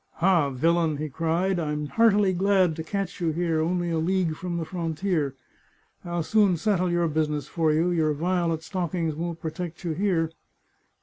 " Ha, villain," he cried, " I'm heartily glad to catch you here, only a league from the frontier ! I'll soon settle your business for you; your violet stockings won't protect you here."